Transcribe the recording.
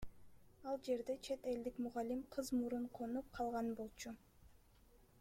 Ал жерде чет элдик мугалим кыз мурун конуп калган болчу.